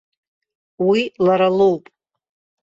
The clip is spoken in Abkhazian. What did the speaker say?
Уи лара лоуп.